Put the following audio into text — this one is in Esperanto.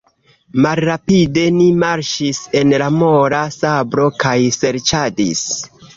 Malrapide ni marŝis en la mola sablo kaj serĉadis.